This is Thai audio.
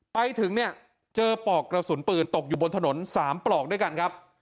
ไปถึงเนี่ยเจอปลอกกระสุนปืนตกอยู่บนถนน๓ปลอกด้วยกันครับ